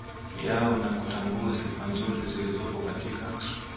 yao na kutambua sifa nzuri zilizopo katika